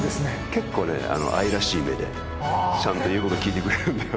結構ね愛らしい目でちゃんと言うこと聞いてくれるんだよ